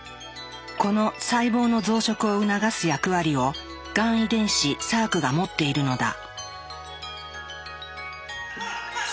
この細胞の増殖を促す役割をがん遺伝子サークが持っているのだ。